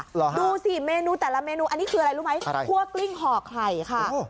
ดูสิเมนูแต่ละเมนูอันนี้คืออะไรรู้ไหมคั่วกลิ้งห่อไข่ค่ะ